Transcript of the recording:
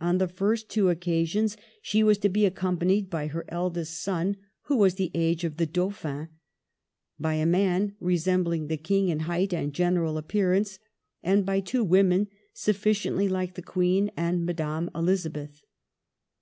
On the first two occasions she was to be accom panied by her eldest son, who was the age of the Dauphin, by a man resembling the King in height and general appearance, and by two women sufficiently like the Queen and Madame Elisabeth.